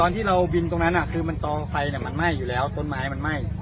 อ๋อนที่เราบินตรงนั้นมันเตาะไฟมันไหม้คือต้นไม้